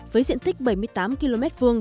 với diện tích bảy mươi tám km hai